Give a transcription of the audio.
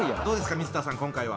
どうですか水田さん